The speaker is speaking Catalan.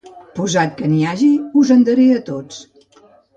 Posat que n'hi hagi, us en daré a tots.